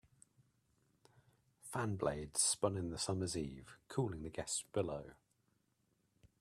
Fan blades spun in the summer's eve, cooling the guests below.